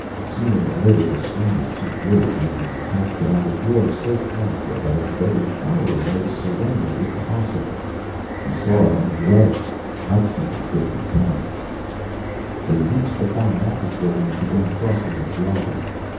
Sooner or later, the strain is too great, and you have a war so horrible that its very horror makes surrender impossible. You saw it on Meloa. I've seen it fifty times!" They reached the Foreign Office building and began crossing its lobby.